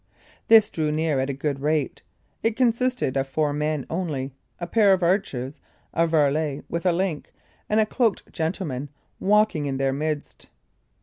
This drew near at a good rate. It consisted of four men only a pair of archers, a varlet with a link, and a cloaked gentleman walking in their midst.